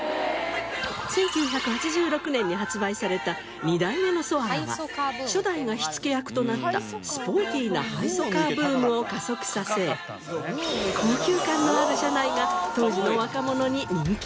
１９８６年に発売された２代目のソアラは初代が火付け役となったスポーティーなハイソカーブームを加速させ高級感のある車内が当時の若者に人気に。